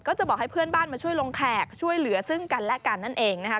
ก็จะบอกให้เพื่อนบ้านมาช่วยลงแขกช่วยเหลือซึ่งกันและกันนั่นเองนะคะ